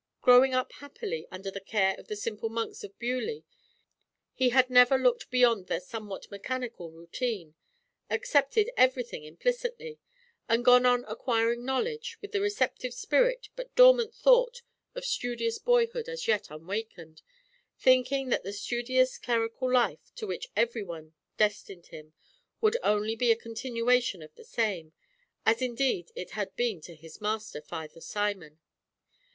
Growing up happily under the care of the simple monks of Beaulieu he had never looked beyond their somewhat mechanical routine, accepted everything implicitly, and gone on acquiring knowledge with the receptive spirit but dormant thought of studious boyhood as yet unawakened, thinking that the studious clerical life to which every one destined him would only be a continuation of the same, as indeed it had been to his master, Father Simon.